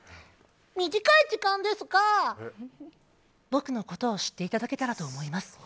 短い時間ですが、僕のことを知っていただけたらと思います。